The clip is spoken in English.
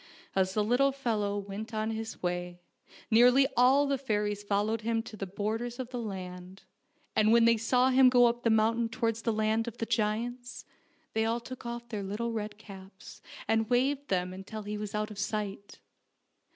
As the little fellow went on his way nearly all the fairies followed him to the borders of the land, and when they saw him go up the mountain towards the land of the giants, they all took off their little red caps and waved them until he was out of sight.